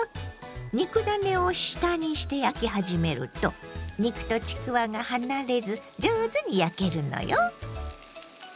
肉ダネを下にして焼き始めると肉とちくわが離れず上手に焼けるのよ。